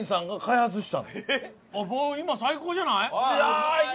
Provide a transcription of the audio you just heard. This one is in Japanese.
もう今最高じゃない？